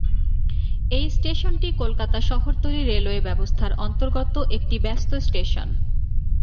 এই স্টেশনটি কলকাতা শহরতলি রেলওয়ে ব্যবস্থার অন্তর্গত একটি ব্যস্ত স্টেশন।